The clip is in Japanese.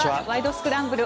スクランブル」